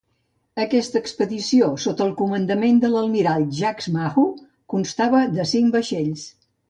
Aquesta expedició, sota el comandament de l'almirall Jacques Mahu, constava de cinc vaixells.